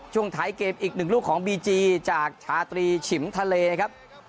ช่วงท้ายเกมอีกหนึ่งลูกของบีจีจากชาตรีฉิมทะเลครับ